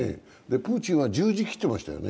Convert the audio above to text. プーチンは十字切ってましたよね。